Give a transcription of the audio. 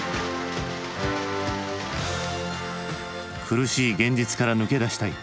苦しい現実から抜け出したい。